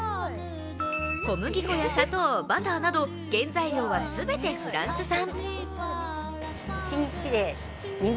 小麦粉や砂糖、バターなど原材料はすべてフランス産。